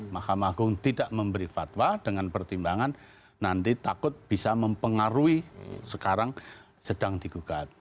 mahkamah agung tidak memberi fatwa dengan pertimbangan nanti takut bisa mempengaruhi sekarang sedang digugat